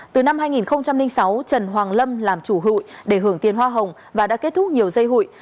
từ năm hai nghìn sáu trần hoàng lâm làm chủ hụi để hưởng tiền hoa hồng và đã kết thúc nhiều dây hụi